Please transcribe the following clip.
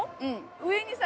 上にさ